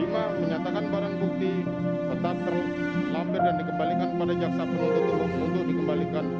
menyatakan barang bukti tetap terlampir dan dikembalikan pada jaksa penuntut umum untuk dikembalikan